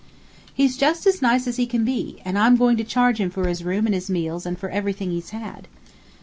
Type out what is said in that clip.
"He's just as nice as he can be, and I'm going to charge him for his room and his meals and for everything he's had."